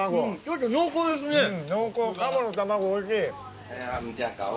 濃厚鴨の卵おいしい。